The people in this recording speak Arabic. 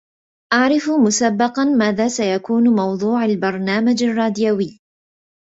أعرف مسبقاً، ماذا سيكون موضوع البرنامج الراديوي.